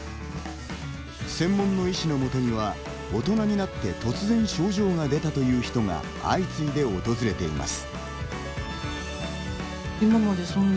専門の医師のもとには大人になって突然、症状が出たという人が相次いで訪れています。